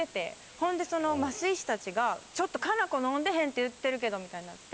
ほんでその麻酔師たちが「ちょっと加奈子飲んでへんって言ってるけど」みたいになって。